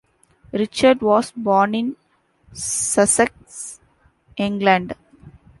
Richard was born in Sussex, England.